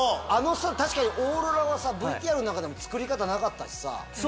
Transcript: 確かにオーロラはさＶＴＲの中でも作り方なかった。